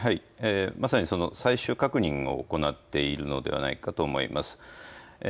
まさに最終確認を行っているのではないかと思います。